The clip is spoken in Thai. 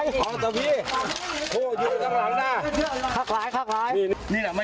หัวเตียงค่ะหัวเตียงค่ะ